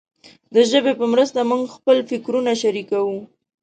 د ژبې په مرسته موږ خپل فکرونه شریکوو.